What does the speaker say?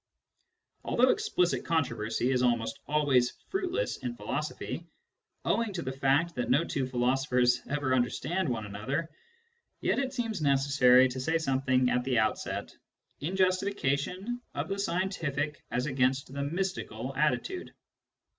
Although explicit controversy is almost always fruitless Digitized by Google CURRENT TENDENCIES 19 in philosophy, owing to the fact that no two philosophers ever understand one another, yet it seems necessary to say something at the outset in justification of the scientific as against the mystical attitude.